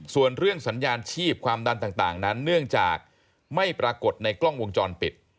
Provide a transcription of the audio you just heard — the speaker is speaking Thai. ส่วนเรื่องสัญญาณชีพความดันต่างนั้นเนื่องจากไม่ปรากฏในกล้องวงจรปิด